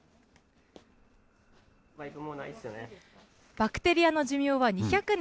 バクテリアの寿命は２００年。